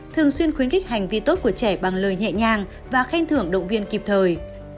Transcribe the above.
thường xuyên khuyến khích hành vi tốt của trẻ bằng lời nhẹ nhàng và khen thưởng động viên kịp thời